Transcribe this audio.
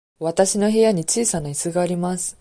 わたしの部屋に小さないすがあります。